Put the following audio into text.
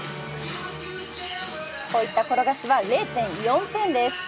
こういった転がしは０．４点です。